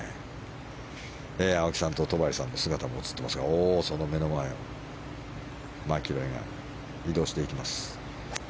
青木さんと戸張さんの姿も映っていますがその目の前をマキロイが移動していきます。